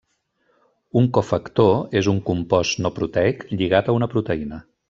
Un cofactor és un compost no proteic lligat a una proteïna.